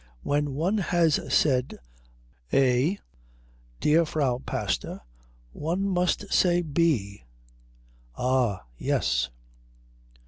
When one has said A, dear Frau Pastor, one must say B. Ah, yes."